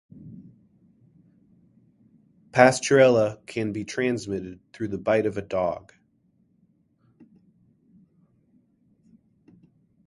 Pasturella can be transmitted through the bite of a dog.